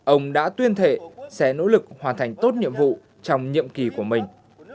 ông đã tuyên thệ sẽ nỗ lực hoàn thành tốt nhiệm vụ trong nhiệm kỳ của mình